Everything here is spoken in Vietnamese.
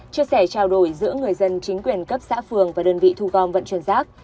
chia sẻ trao đổi giữa người dân chính quyền cấp xã phường và đơn vị thu gom vận chuyển rác